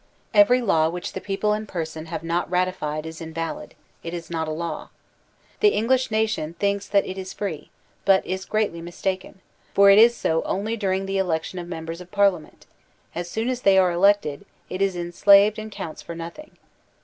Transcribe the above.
Every law which the people in per son have not ratified is invalid; it is not a law. The Eng lish nation thinks that it is free, but is greatly mistaken, for it is so only during the election of members of Par liament; as soon as they are elected, it is enslaved and counts for nothing.